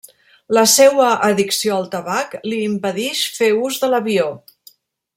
La seua addicció al tabac li impedix fer ús de l'avió.